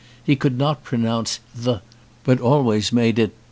He could not pronounce th, but always made it d.